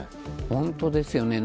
本当ですよね。